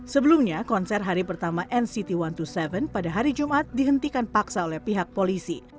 sebelumnya konser hari pertama nct satu ratus dua puluh tujuh pada hari jumat dihentikan paksa oleh pihak polisi